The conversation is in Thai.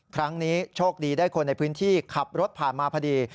ครั้งนี้โชคดีได้คนในพื้นที่ขับรถผ่านมาพอดี